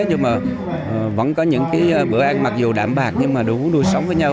nhưng mà vẫn có những bữa ăn mặc dù đảm bạc nhưng mà đủ đuôi sống với nhau